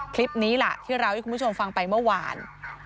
คลิปนี้ล่ะที่เราให้คุณผู้ชมฟังไปเมื่อวาน